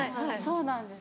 そうなんです。